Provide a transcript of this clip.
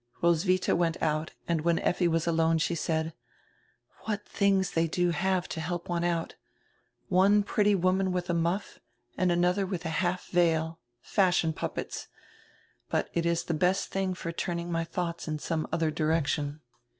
Roswitha went out and when Effi was alone she said: "What tilings they do have to help one out! One pretty woman widi a muff and another with a half veil — fashion puppets. But it is die best diing for turning my thoughts in some odier direction."